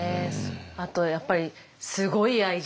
あとやっぱりすごい愛情。